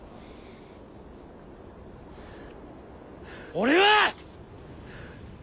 俺は！